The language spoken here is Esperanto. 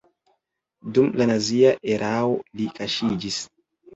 Dum la nazia erao li kaŝiĝis.